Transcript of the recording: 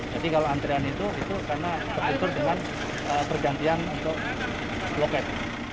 jadi kalau antrean itu itu karena terhitung dengan pergantian untuk loket